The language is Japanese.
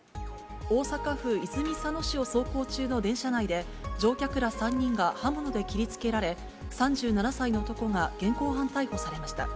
大阪府泉佐野市を走行中の電車内で、乗客ら３人が刃物で切りつけられ、３７歳の男が現行犯逮捕されました。